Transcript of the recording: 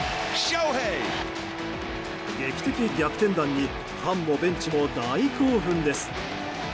劇的逆転弾にファンもベンチも大興奮です。